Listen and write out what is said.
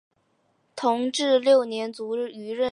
同治六年卒于任。